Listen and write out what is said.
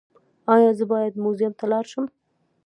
ایا زه باید موزیم ته لاړ شم؟